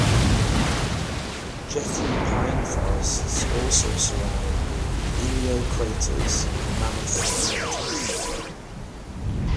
Jeffrey pine forests also surround the Inyo Craters and Mammoth Mountain.